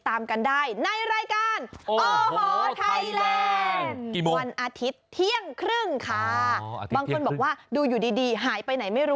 ไลการโอะฮาทไลน์วันอาทิตย์เที่ยงครึ่งบางคนบอกว่าดูอยู่ดีหายไปไหนไม่รู้